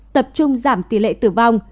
tập trung giảm tỷ lệ tử vong